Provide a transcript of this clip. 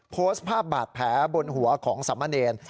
โพสต์ภาพบาดแผลบนหัวของสามเณร